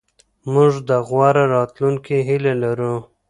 موږ د غوره راتلونکي هیله لرو.